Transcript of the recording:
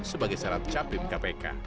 sebagai syarat capim kpk